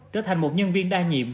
trở thành một nhân viên đa nhiệm